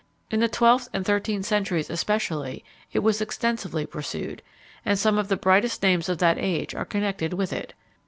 In the twelfth and thirteenth centuries especially, it was extensively pursued, and some of the brightest names of that age are connected with it.